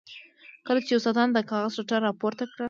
کله چې استاد د کاغذ ټوټه را پورته کړه.